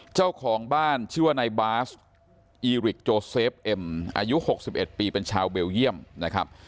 เจ้าของบ้านชื่อว่านายบาสอีริกโจเซฟเอ็มอายุ๖๑ปีเป็นชาวเบลเยี่ยมนะครับ